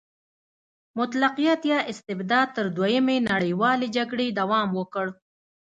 مطلقیت یا استبداد تر دویمې نړیوالې جګړې دوام وکړ.